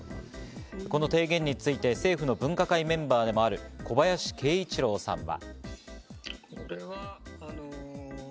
この提言について政府の分科会メンバーでもある小林慶一郎さんは。